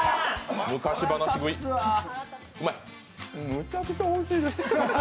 むちゃくちゃおいしいです。